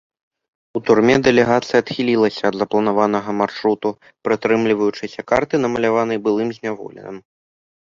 У турме дэлегацыя адхілілася ад запланаванага маршруту, прытрымліваючыся карты, намаляванай былым зняволеным.